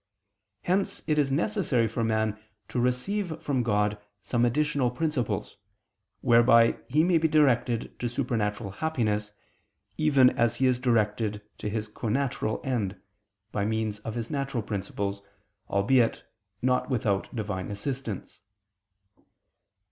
Hence it is necessary for man to receive from God some additional principles, whereby he may be directed to supernatural happiness, even as he is directed to his connatural end, by means of his natural principles, albeit not without Divine assistance.